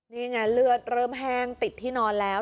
นี่ไงเลือดเริ่มแห้งติดที่นอนแล้ว